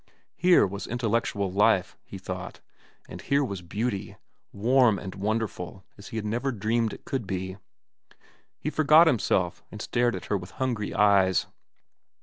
Here was intellectual life, he thought, and here was beauty, warm and wonderful as he had never dreamed it could be. He forgot himself and stared at her with hungry eyes.